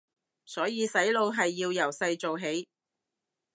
所以洗腦係要由細做起